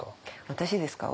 私ですか？